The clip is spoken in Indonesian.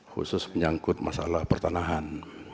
khusus menyangkut masalah pertanahan